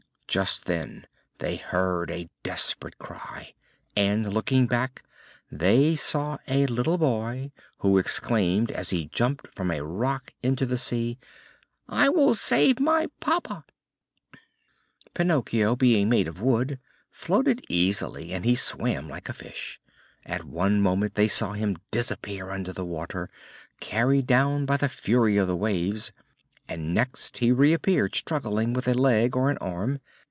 Just then they heard a desperate cry and, looking back, they saw a little boy who exclaimed, as he jumped from a rock into the sea: "I will save my papa!" Pinocchio, being made of wood, floated easily and he swam like a fish. At one moment they saw him disappear under the water, carried down by the fury of the waves, and next he reappeared struggling with a leg or an arm.